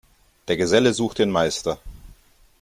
Der Geselle sucht den Meister.